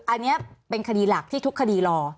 อันนี้เป็นคดีหลักที่ทุกคดีรอ